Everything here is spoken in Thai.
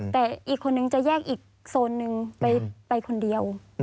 แต่อีกคนนึงจะแยกอีกโซนนึงไปคนเดียว